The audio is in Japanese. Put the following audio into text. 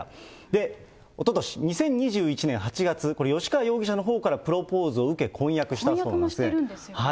で、おととし２０２１年８月、これ、吉川容疑者のほうからプロポーズ婚約もしてるんですよね。